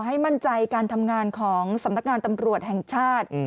ให้มั่นใจการทำงานของสำนักงานตำรวจแห่งชาติ